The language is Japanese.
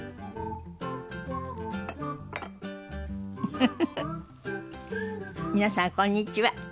フフフフ皆さんこんにちは。